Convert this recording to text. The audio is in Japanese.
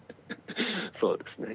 そうですね。